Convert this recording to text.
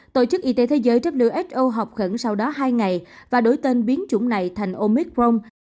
tổ chức y tế thế giới who học khẩn sau đó hai ngày và đổi tên biến chủng này thành omicron